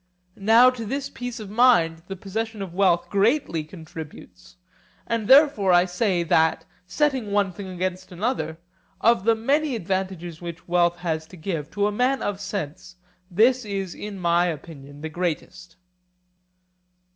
Now to this peace of mind the possession of wealth greatly contributes; and therefore I say, that, setting one thing against another, of the many advantages which wealth has to give, to a man of sense this is in my opinion the greatest.